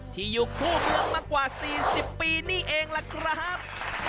ที่อยู่คู่เมืองมากว่า๔๐ปีนี่เองล่ะครับ